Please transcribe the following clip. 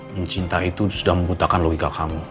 mencinta itu sudah membutahkan logika kamu